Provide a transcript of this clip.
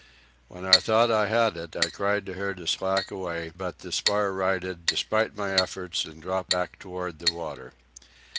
When I thought I had it I cried to her to slack away; but the spar righted, despite my efforts, and dropped back toward the water.